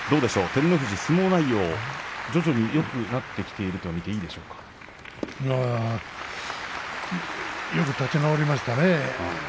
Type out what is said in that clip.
照ノ富士は相撲内容徐々によくなってきていると見てよく立ち直りましたね。